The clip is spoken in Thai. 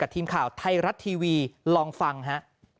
ทีมข่าวไทยรัฐทีวีลองฟังฮะ